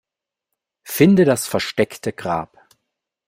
Finde das versteckte Grab.